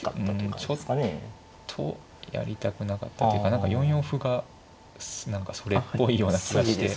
うんちょっとやりたくなかったというか何か４四歩が何かそれっぽいような気がして。